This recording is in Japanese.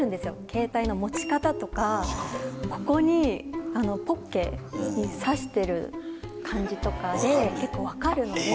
ケータイの持ち方とかここにポッケに挿してる感じとかで結構分かるんで。